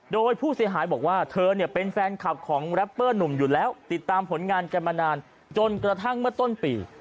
โดยผู้เสียหายบอกว่าเธอเนี่ยเป็นแฟนคลับของแรปเปอร์หนุ่มอยู่แล้วติดตามผลงานกันมานานจนกระทั่งเมื่อต้นปี